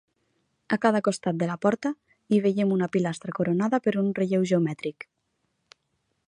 A cada costat de la porta, hi veiem una pilastra coronada per un relleu geomètric.